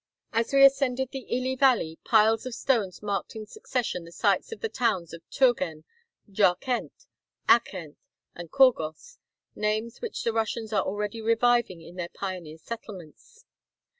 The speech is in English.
As we ascended the Hi valley piles of stones marked in succession the sites of the towns of Turgen, Jarkend, Akkend, and Khorgos, names which the Russians are already reviving in their pioneer settlements.